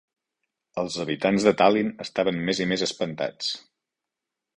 Els habitants de Tallinn estaven més i més espantats.